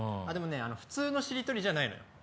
あっでもね普通のしりとりじゃないのよ。